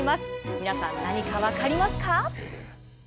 皆さん、何か分かりますか。